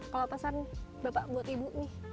kalau pesan bapak buat ibu nih